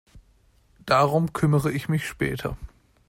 Darum kümmere ich mich später.